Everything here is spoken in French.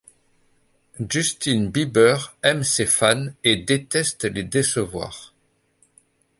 Justin Bieber aime ses fans et déteste les décevoir.